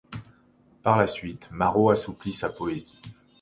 Par la suite, Marot assouplit sa poésie.